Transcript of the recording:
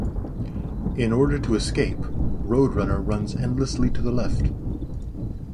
In order to escape, Road Runner runs endlessly to the left.